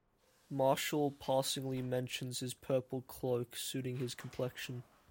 Martial passingly mentions his purple cloak suiting his complexion.